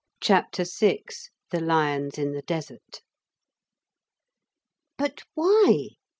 CHAPTER VI THE LIONS IN THE DESERT 'But why?'